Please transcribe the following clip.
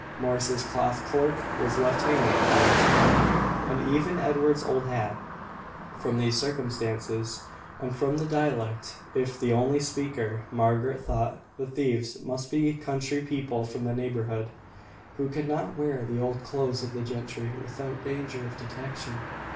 Morris's cloth cloak was left hanging on its pin, and even Edward's old hat. From these circumstances, and from the dialect of the only speaker, Margaret thought the thieves must be country people from the neighbourhood, who could not wear the old clothes of the gentry without danger of detection.